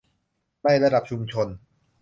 ในระดับชุมชน